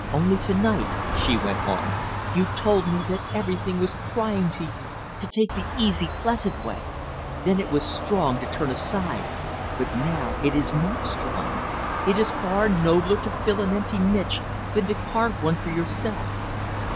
"Only to night," she went on, "you told me that everything was crying to you to take the easy, pleasant way. Then it was strong to turn aside; but now it is not strong. It is far nobler to fill an empty niche than to carve one for yourself.